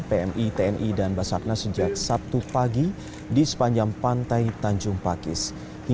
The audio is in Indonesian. pmi tni dan basarna sejak sabtu pagi di sepanjang pantai tanjung pakis